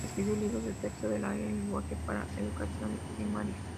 Escribió libros de texto del área lenguaje, para Educación Primaria.